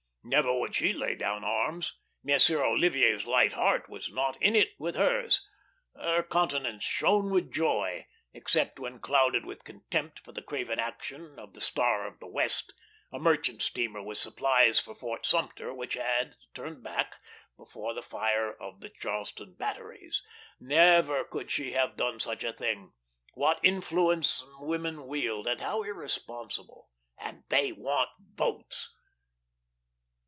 Never would she lay down arms; M. Ollivier's light heart was "not in it" with hers; her countenance shone with joy, except when clouded with contempt for the craven action of the Star of the West, a merchant steamer with supplies for Fort Sumter which had turned back before the fire of the Charleston batteries. Never could she have done such a thing. What influence women wield, and how irresponsible! And they want votes!